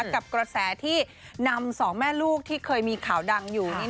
กับกระแสที่นำสองแม่ลูกที่เคยมีข่าวดังอยู่